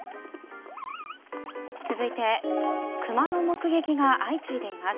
続いて熊の目撃が相次いでいます。